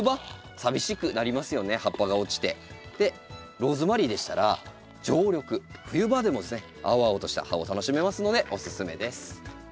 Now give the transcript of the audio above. ローズマリーでしたら常緑冬場でもですね青々とした葉を楽しめますのでおすすめです。